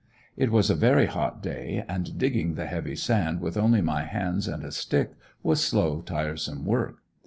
It was a very hot day and digging the heavy sand with only my hands and a stick was slow, tiresome work.